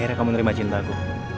akhirnya kamu nerima cinta aku